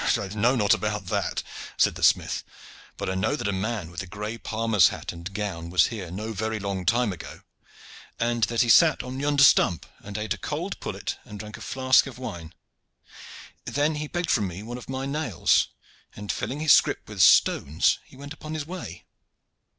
"I know not about that," said the smith; "but I know that a man with a gray palmer's hat and gown was here no very long time ago, and that he sat on yonder stump and ate a cold pullet and drank a flask of wine. Then he begged from me one of my nails, and filling his scrip with stones, he went upon his way.